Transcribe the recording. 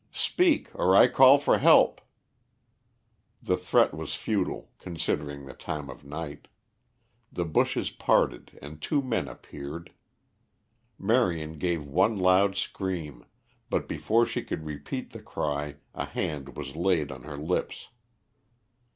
"Speak, or I call for help." The threat was futile, considering the time of night. The bushes parted and two men appeared. Marion gave one loud scream, but before she could repeat the cry a hand was laid on her lips.